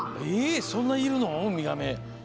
そんないるの、ウミガメ。